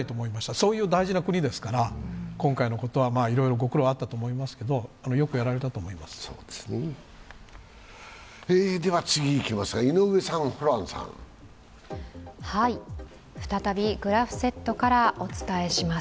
そういう大事な国ですから、今回のことはいろいろご苦労あったと思いますけど、よくやられたと思います。